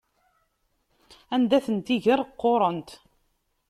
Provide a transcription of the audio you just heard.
Anda tent-iger qquṛent.